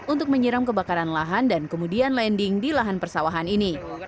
untuk menyiram kebakaran lahan dan kemudian landing di lahan persawahan ini